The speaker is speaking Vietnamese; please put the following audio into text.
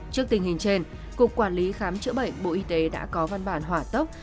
trước tình hình trên cục quản lý khám chữa bệnh bộ y tế đã có văn bản hỏa tốc